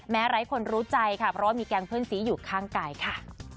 ไร้คนรู้ใจค่ะเพราะว่ามีแก๊งเพื่อนสีอยู่ข้างกายค่ะ